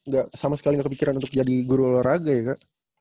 gak sama sekali nggak kepikiran untuk jadi guru olahraga ya kak